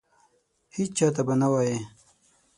هیچا ته به نه وایې !